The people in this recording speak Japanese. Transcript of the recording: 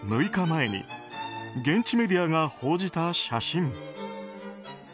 ６日前に現地メディアが報じた写真。